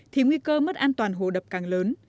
thì nguy cơ mất an toàn hồ đập càng lớn